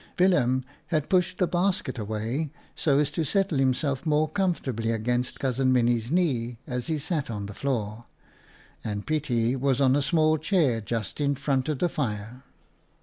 Willem had pushed the basket away so as to settle himself more comfortably against Cousin Minnie's knee as he sat on the floor, and Pietie was on a small chair just in front of the fire.